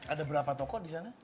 ada berapa toko di sana